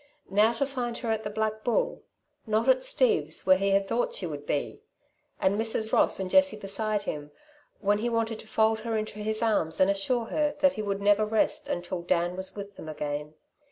Now to find her at the Black Bull, not at Steve's, where he had thought she would be, and Mrs. Ross and Jessie beside him, when he wanted to fold her in his arms and assure her that he would never rest until Dan was with them again!